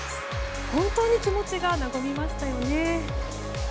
本当に気持ちが和みましたよね。